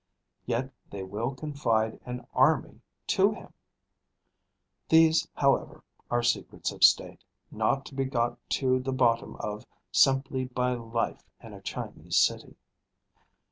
Yet they will confide an army to him! These, however, are secrets of State, not to be got to the bottom of simply by life in a Chinese city.